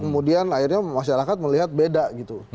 kemudian akhirnya masyarakat melihat beda gitu